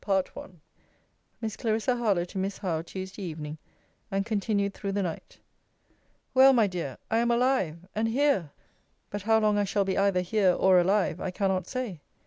LETTER XXXIV MISS CLARISSA HARLOWE, TO MISS HOWE TUESDAY EVENING; AND CONTINUED THROUGH THE NIGHT. Well, my dear, I am alive, and here! but how long I shall be either here, or alive, I cannot say.